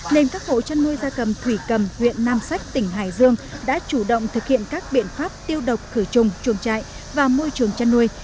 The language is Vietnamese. nên các hộ chăn nuôi gia cầm thủy cầm huyện nam sách tỉnh hải dương đã chủ động thực hiện các biện pháp tiêu độc khử trùng chuồng trại và môi trường chăn nuôi